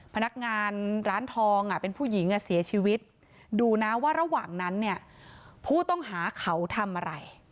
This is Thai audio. พนักงานร้านทองเป็นผู้หญิงเสียชีวิตดูนะว่าระหว่างนั้นเนี่ยผู้ต้องหาเขาทำอะไร